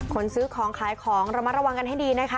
คนซื้อของขายของระมัดระวังกันให้ดีนะคะ